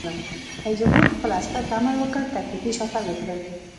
رئیس جمهور خپلو عسکرو ته امر وکړ؛ تکتیکي شاتګ وکړئ!